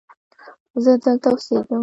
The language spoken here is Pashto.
زه دلته اوسیږم